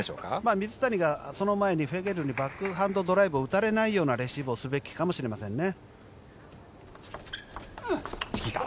水谷がその前にフェゲルにバックハンドドライブを打たれないようなレシーブをすべきかもしれませんね。